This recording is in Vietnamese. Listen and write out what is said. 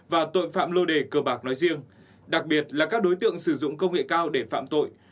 và tội phạm lô đề cờ bạc nói riêng đặc biệt là các đối tượng sử dụng công nghệ cao để phạm tội